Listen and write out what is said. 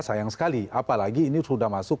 sayang sekali apalagi ini sudah masuk